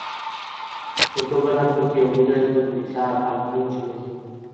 ছোটবেলা থেকেই অভিনয়ের প্রতি তার আগ্রহ ছিল।